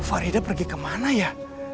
faridah pergi ke mana ya